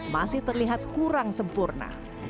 masih terlihat kurang sempurna